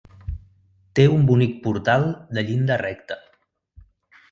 Té un bonic portal de llinda recta.